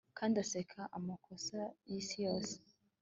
kandi aseka amakosa yisi yose